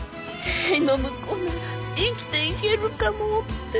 塀の向こうなら生きていけるかもって。